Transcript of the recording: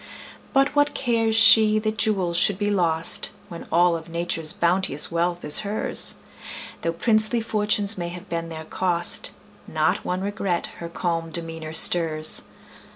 But what cares she that jewels should be lost, When all of Nature's bounteous wealth is hers? Though princely fortunes may have been their cost, Not one regret her calm demeanor stirs.